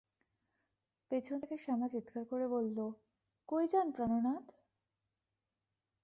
পেছন থেকে শ্যামা চিৎকার করে বলল " কই যান প্রাণোনাদ।